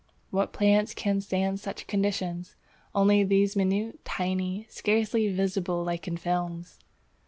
What plant can stand such conditions? Only these minute, tiny, scarce visible lichen films!